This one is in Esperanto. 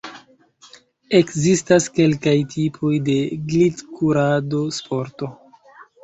Ekzistas kelkaj tipoj de glitkurado-sporto.